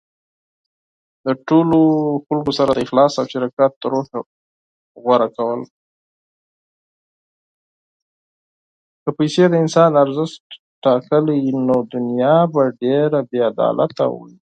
که پیسې د انسان ارزښت ټاکلی، نو دنیا به ډېره بېعدالته وای.